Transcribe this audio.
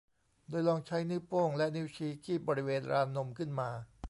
โดยลองใช้นิ้วโป้งและนิ้วชี้คีบบริเวณลานนมขึ้นมา